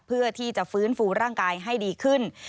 เพื่อที่จะฟื้นฟูร่างกายให้ดีขึ้น